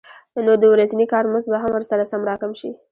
نو د ورځني کار مزد به هم ورسره سم راکم شي